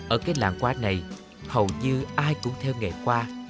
ở cái làng qua này hầu như ai cũng theo nghệ qua